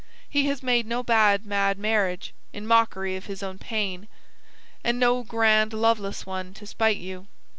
He has made no bad mad marriage, in mockery of his own pain; and no grand loveless one, to spite you.